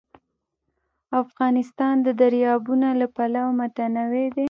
افغانستان د دریابونه له پلوه متنوع دی.